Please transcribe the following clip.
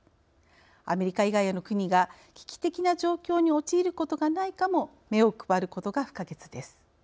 アメリカ以外への国が危機的な状況に陥ることがないかも目を配ることが不可欠です。